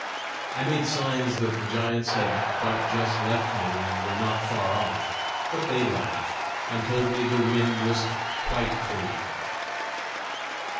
I made signs that the giants had but just left me, and were not far off; but they laughed, and told me the wind was quite clean.